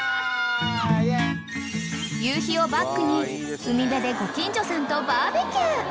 ［夕日をバックに海辺でご近所さんとバーベキュー］